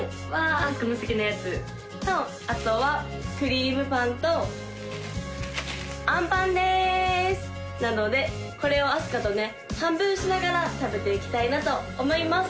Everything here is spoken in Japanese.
あすかの好きなやつとあとはクリームパンとアンパンですなのでこれをあすかとね半分しながら食べていきたいなと思います